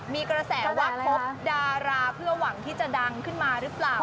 มีกระแสว่าคบดาราเพื่อหวังที่จะดังขึ้นมาหรือเปล่า